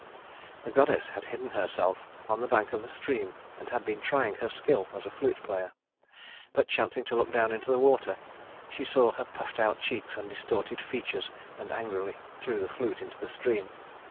The goddess had hidden herself on the bank of the stream and had been trying her skill as a flute player; but chancing to look down into the water, she saw her puffed out cheeks and distorted features and angrily threw the flute into the stream.